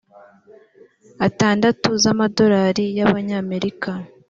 atandatu z amadolari y abanyamerika